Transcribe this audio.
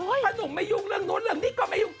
พูดออกมาถ้าหนุ่มไม่ยุ่งเรื่องนู้นเรื่องนี้ก็ไม่ยุ่ง